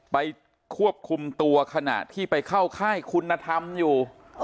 ไปควบคุมตัวขณะที่ไปเข้าค่ายคุณธรรมอยู่